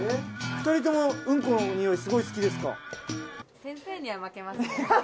２人ともうんこの臭いすごく好きですか。